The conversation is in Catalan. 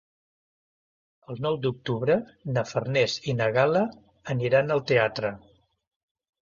El nou d'octubre na Farners i na Gal·la aniran al teatre.